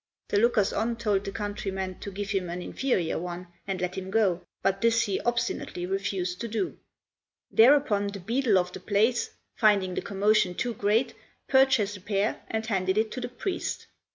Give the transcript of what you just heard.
The lookers on told the countryman to give him an inferior one and let him go, but this he obstinately refused to do. Thereupon the beadle of the place, finding the commotion too great, purchased a pear and handed it to the priest.